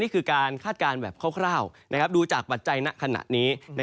นี่คือการคาดการณ์แบบคร่าวดูจากปัจจัยณขณะนี้